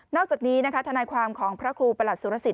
นอกจากนี้ธนายความของพระครูประหลัดสุรสิทธิ์